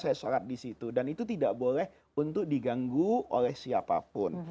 saya sholat di situ dan itu tidak boleh untuk diganggu oleh siapapun